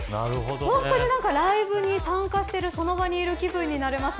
本当にライブに参加しているその場にいる気分になります。